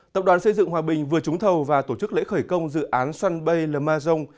tập đoàn xây dựng hòa bình vừa trúng thầu và tổ chức lễ khởi công dự án swan bay lamazong